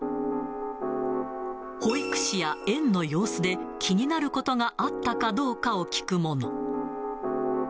保育士や園の様子で気になることがあったかどうかを聞くもの。